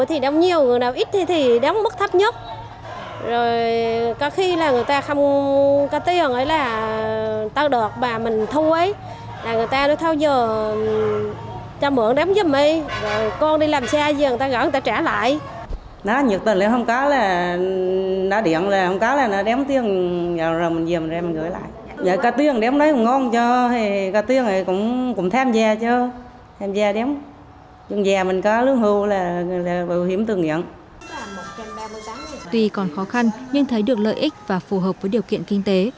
tuy còn khó khăn nhưng thấy được lợi ích và phù hợp với điều kiện kinh tế